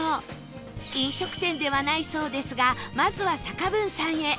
飲食店ではないそうですがまずは坂文さんへ